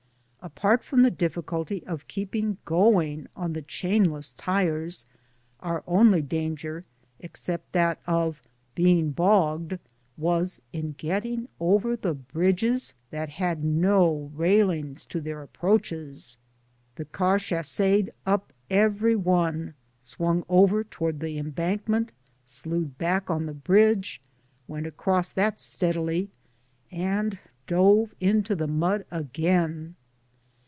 Apart from the difficulty of keeping going on chainless tires our only danger, except that of being bogged, was in getting over the bridges that had no railings to their approaches. The car chassed up every one, swung over toward the embankment, slewed back on the bridge, went across that steadily, and dove into the mud again!